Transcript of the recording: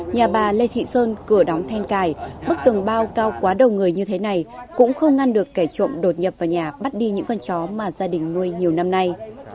nhà bà lê thị sơn cửa đóng then cài bức tường bao cao quá đầu người như thế này cũng không ngăn được kẻ trộm đột nhập vào nhà bắt đi những con chó mà gia đình nuôi nhiều năm nay